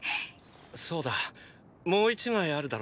そうだもう１枚あるだろ？